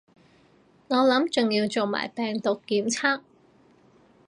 我諗仲要做埋病毒檢測